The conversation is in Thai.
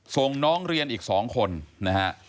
ส่งน้องเรียนอีก๒คนนะฮะ